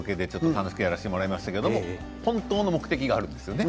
楽しくやらせてもらいましたけれども本当の目的があるんですよね。